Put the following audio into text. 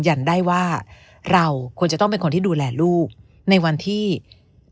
ยันได้ว่าเราควรจะต้องเป็นคนที่ดูแลลูกในวันที่